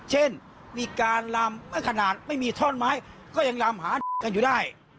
เช่นมีการลำไม่ขนาดไม่มีท่อนไม้ก็ยังลำหากันอยู่ได้